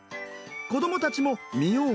子どもたちも見よう